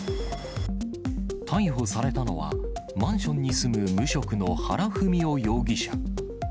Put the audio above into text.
逮捕されたのは、マンションに住む無職の原文雄容疑者。